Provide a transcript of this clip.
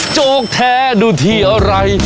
โจ๊กแท้ดูที่อะไร